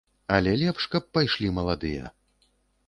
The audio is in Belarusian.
Але лепш, каб пайшлі маладыя.